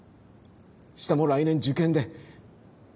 下も来年受験で。